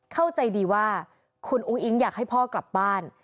เข้าใจดีว่าคุณอุ้งอิ๊งอยากให้พ่อกลับบ้าน